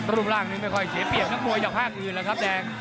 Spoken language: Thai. รูปร่างนี้ค่อยเอาเปลี่ยนแต่มวยยาพากยื่นละครับแดง